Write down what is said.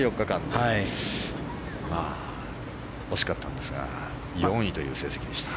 惜しかったんですが４位という成績でした。